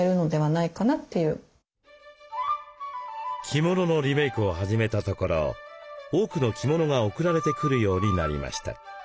着物のリメイクを始めたところ多くの着物が送られてくるようになりました。